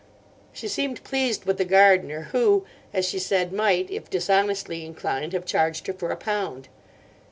She seemed pleased with the gardener, who, as she said, might, if dishonestly inclined, have charged her for a pound.